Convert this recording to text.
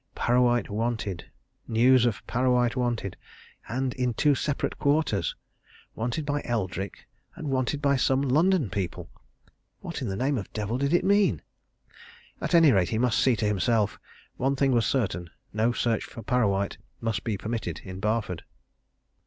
Parrawhite wanted! news of Parrawhite wanted! and in two separate quarters. Wanted by Eldrick wanted by some London people! What in the name of the devil did it mean? At any rate, he must see to himself. One thing was certain no search for Parrawhite must be permitted in Barford.